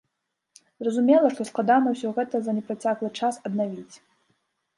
Зразумела, што складана ўсё гэта за непрацяглы час аднавіць.